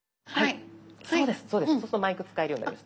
そうです。